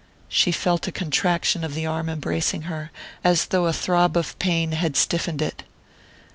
She felt a contraction of the arm embracing her, as though a throb of pain had stiffened it.